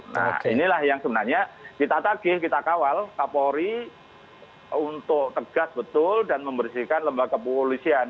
nah inilah yang sebenarnya kita tagih kita kawal kapolri untuk tegas betul dan membersihkan lembaga polisian